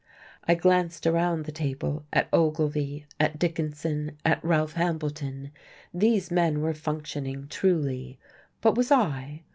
I glanced around the table at Ogilvy, at Dickinson, at Ralph Hambleton. These men were functioning truly. But was I?